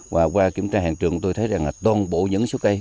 và qua kiểm tra hành trường tôi thấy rằng toàn bộ những số cây